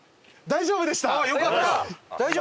大丈夫でした。